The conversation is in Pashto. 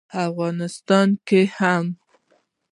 افغانستان کې هم